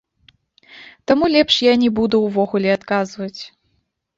Таму лепш я не буду ўвогуле адказваць.